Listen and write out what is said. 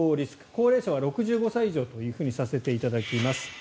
高齢者は６５歳以上とさせていただきます。